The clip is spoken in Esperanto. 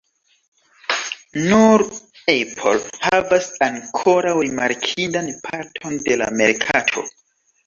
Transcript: Nur Apple havas ankoraŭ rimarkindan parton de la merkato.